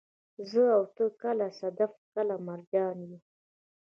زه او ته، کله صدف، کله مرجان يو